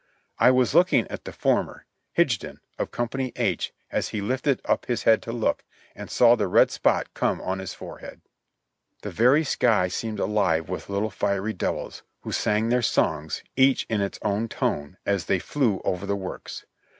I was looking at the former, Higdon, of Co. H, as he lifted up his head to look, and saw the red spot come on his forehead. The very sky seemed alive with little fiery devils, who sang their songs, each in its own tone, as they flew over the works.